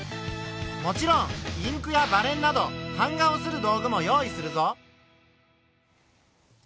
もちろんインクやばれんなど版画をする道具も用意するぞ。